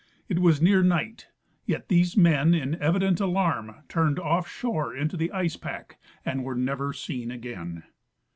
It was near night, yet these men in evident alarm turned off shore into the ice pack and were never seen again.